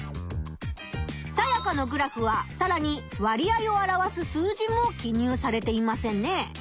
サヤカのグラフはさらに割合を表す数字も記入されてませんね。